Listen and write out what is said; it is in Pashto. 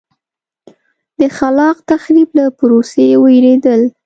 د خلاق تخریب له پروسې وېرېدل.